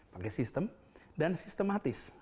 pakai sistem dan sistematis